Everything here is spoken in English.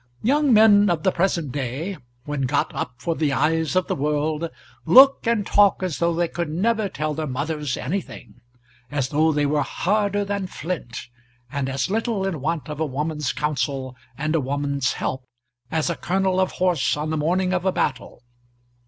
Young men of the present day, when got up for the eyes of the world, look and talk as though they could never tell their mothers anything, as though they were harder than flint, and as little in want of a woman's counsel and a woman's help as a colonel of horse on the morning of a battle.